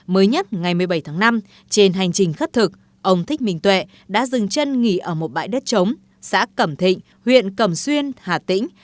mới nhất ngày một mươi bảy tháng năm trên hành trình khất thực ông thích minh tuệ đã dừng chân nghỉ ở một bãi đất trống xã cẩm thịnh huyện cẩm xuyên hà tĩnh